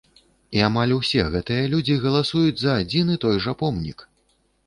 І амаль усе гэтыя людзі галасуюць за адзін і той жа помнік!